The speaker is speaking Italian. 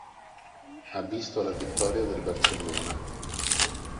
Ha visto la vittoria del Barcellona.